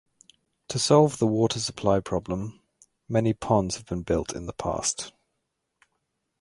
To solve the water supply problem, many ponds have been built in the past.